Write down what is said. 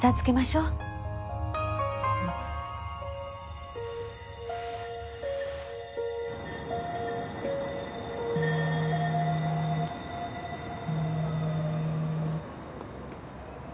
うん。